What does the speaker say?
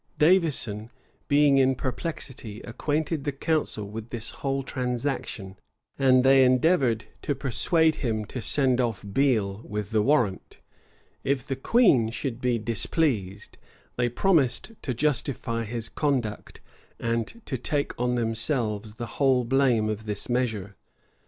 Davison, being in perplexity, acquainted the council with this whole transaction; and they endeavored to persuade him to send off Beale with the warrant: if the queen should be displeased, they promised to justify his conduct, and to take on themselves the whole blame of this measure.